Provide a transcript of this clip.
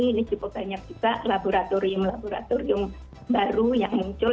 ini cukup banyak juga laboratorium laboratorium baru yang muncul